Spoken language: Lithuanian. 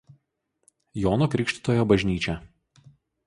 Jono Krikštytojo" bažnyčia.